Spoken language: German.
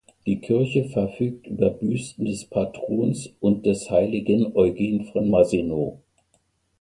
Die Kirche verfügt über Büsten des Patrons und des heiligen Eugen von Mazenod.